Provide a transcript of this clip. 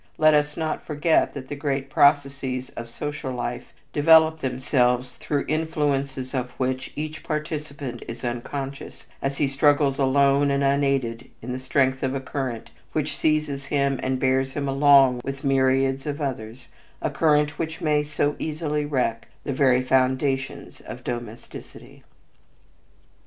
Let us not forget that the great processes of social life develop themselves through influences of which each participant is unconscious as he struggles alone and unaided in the strength of a current which seizes him and bears him along with myriads of others, a current which may so easily wreck the very foundations of domesticity.